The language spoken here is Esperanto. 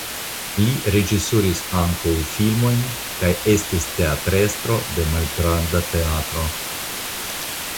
Li reĝisoris ankaŭ filmojn kaj estis teatrestro de malgranda teatro.